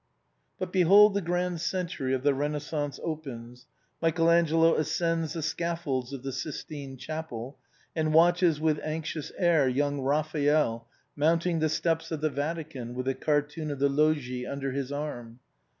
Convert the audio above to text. But behold the grand century of the Renaissance opens, Michael Angelo ascends the scaffolds of the Sixtine Chapel and watches with anxious air young Raphael mounting the steps of the Vatican with the cartoon of the Loggie under his arm.